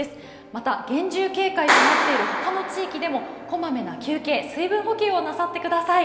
また厳重警戒となっている他の地域でも小まめな休憩、水分補給をなさってください。